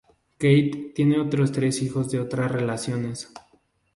Keith tiene otros tres hijos de otras relaciones.